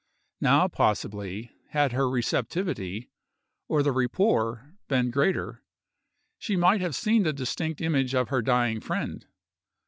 Now, possibly, had her receptivity, or the rapport, been greater, she might have seen the distinct image of her dying friend.